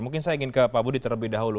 mungkin saya ingin ke pak budi terlebih dahulu